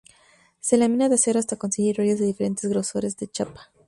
Se lamina el acero hasta conseguir rollos de diferentes grosores de chapa.